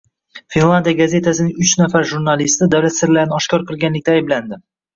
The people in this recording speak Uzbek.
Finlyandiya gazetasining uch nafar jurnalisti davlat sirlarini oshkor qilganlikda ayblandi